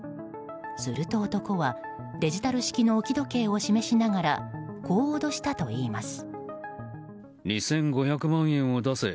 すると男はデジタル式の置き時計を示しながらこう脅したといいます。